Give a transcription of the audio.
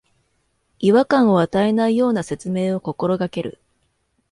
違和感を与えないような説明を心がける